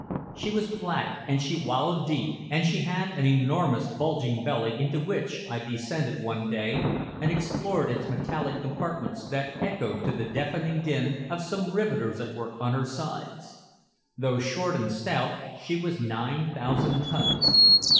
She was black and she wallowed deep, and she had an enormous bulging belly into which I descended one day and explored its metallic compartments that echoed to the deafening din of some riveters at work on her sides. Though short and stout, she was nine thousand tons.